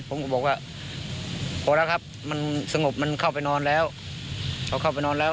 ผมก็บอกว่าพอแล้วครับมันสงบมันเข้าไปนอนแล้วพอเข้าไปนอนแล้ว